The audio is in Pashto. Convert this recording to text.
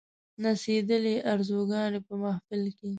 نڅېدلې آرزوګاني په محفل کښي